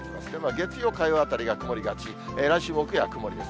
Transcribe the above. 月曜、火曜あたりが曇りがち、来週木曜は曇りです。